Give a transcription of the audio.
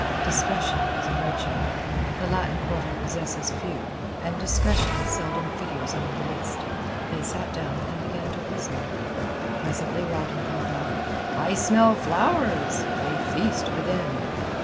Discretion is a virtue. The Latin Quarter possesses few, and discretion seldom figures on the list. They sat down and began to whistle. Presently Rowden called out, "I smell flowers. They feast within!"